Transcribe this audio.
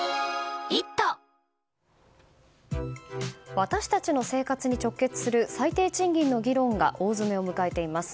私たちの生活に直結する最低賃金の議論が大詰めを迎えています。